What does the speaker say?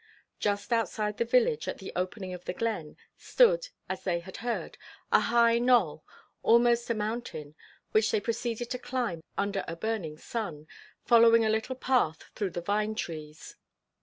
Just outside the village, at the opening of the glen, stood, as they had heard, a high knoll, almost a mountain, which they proceeded to climb under a burning sun, following a little path through the vine trees.